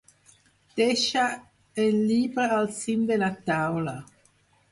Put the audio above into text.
Deixa el llibre al cim de la taula.